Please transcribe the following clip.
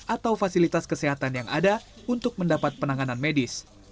atau fasilitas kesehatan yang ada untuk mendapat penanganan medis